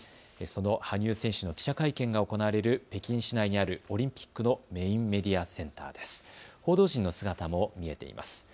その羽生選手の記者会見が行われる北京市内にあるオリンピックのメインメディアセンターです。